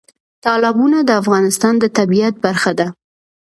تالابونه د افغانستان د طبیعت برخه ده.